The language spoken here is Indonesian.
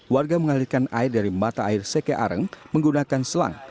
warga mengalirkan air dari mata air sekeareng menggunakan selang